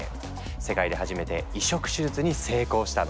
世界で初めて移植手術に成功したの。